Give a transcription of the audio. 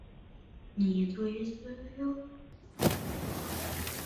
酱油店的店员德兵卫和游女阿初是一对情侣。